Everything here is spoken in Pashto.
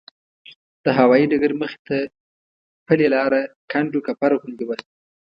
د هوایي ډګر مخې ته پلې لاره کنډوکپر غوندې وه.